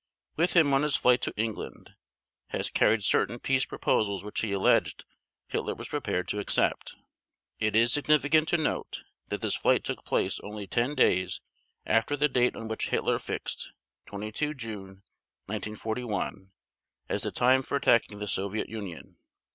With him on his flight to England, Hess carried certain peace proposals which he alleged Hitler was prepared to accept. It is significant to note that this flight took place only 10 days after the date on which Hitler fixed, 22 June 1941, as the time for attacking the Soviet Union.